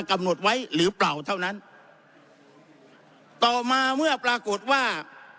กำหนดไว้หรือเปล่าเท่านั้นต่อมาเมื่อปรากฏว่า